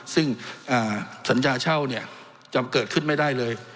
ซึ่งสัญญาเช่าจำเกิดขึ้นไม่ได้เลย